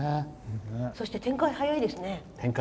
そして、展開早いですね。